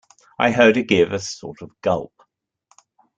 I heard her give a sort of gulp.